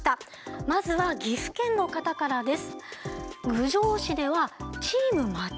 まずは岐阜県の方からです。